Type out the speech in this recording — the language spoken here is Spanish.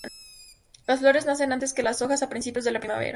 Las flores nacen antes que las hojas, a principios de la primavera.